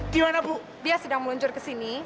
dia sedang meluncur ke sini